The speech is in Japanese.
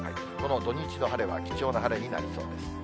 この土日の晴れは貴重な晴れになりそうです。